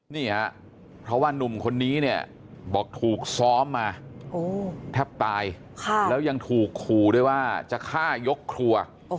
นี่ฮะเพราะว่านุ่มคนนี้เนี่ยบอกถูกซ้อมมาแทบตายแล้วยังถูกขู่ด้วยว่าจะฆ่ายกครัว